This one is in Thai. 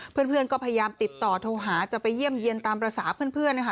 เพื่อนก็พยายามติดต่อโทรหาจะไปเยี่ยมเยี่ยนตามภาษาเพื่อนนะคะ